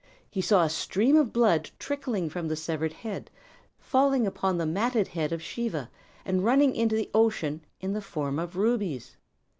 He saw a stream of blood trickling from the severed head, falling upon the matted head of Siva, and running into the ocean in the form of rubies.